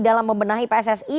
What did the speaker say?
dalam membenahi pssi